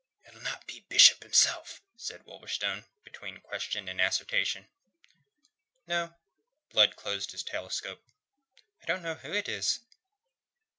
"It'll not be Bishop himself," said Wolverstone, between question and assertion. "No." Blood closed his telescope. "I don't know who it is."